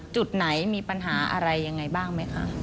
จุดไหนมีปัญหาอะไรยังไงบ้างไหมคะ